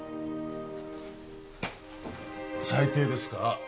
最低ですか？